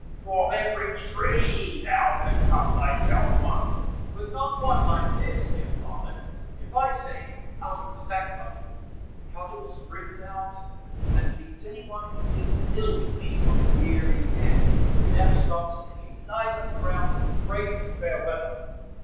From every tree thou can cut thyself one." "But not one like this, dear father. If I say, 'Out of the sack, Cudgel!' the cudgel springs out and leads any one who means ill with me a weary dance, and never stops until he lies on the ground and prays for fair weather.